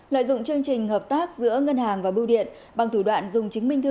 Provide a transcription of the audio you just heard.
lợi dụng chương trình hợp tác giữa ngân hàng và bưu điện bằng thủ đoạn dùng chứng minh thư